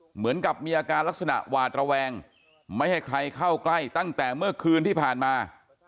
เหมือนกับมีอาการลักษณะหวาดระแวงไม่ให้ใครเข้าใกล้ตั้งแต่เมื่อคืนที่ผ่านมา